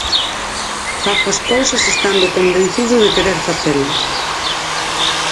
Fago as cousas estando convencido de querer facelas.